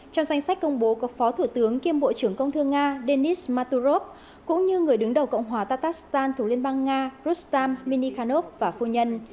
trong danh sách công bố có phó thủ tướng kiêm bộ trưởng công thương nga denis maturov cũng như người đứng đầu cộng hòa taktastan thuộc liên bang nga rostan minikhanov và phu nhân